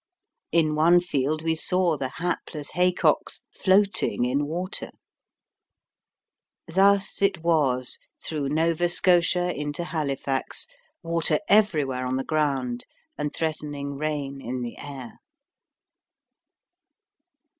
In one field we saw the hapless haycocks floating in water. Thus it was through Nova Scotia into Halifax water everywhere on the ground, and threatening rain in the air.